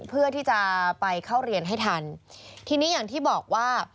เพื่อที่จะไปเข้าเรียนให้ทันทีนี้อย่างที่บอกว่า